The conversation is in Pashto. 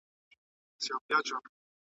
مشران څنګه د کډوالو ستونزي حل کوي؟